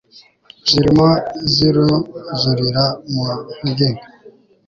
zirimo ziruzurira mu ntege nke